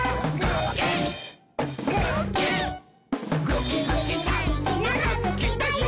ぐきぐきだいじなはぐきだよ！」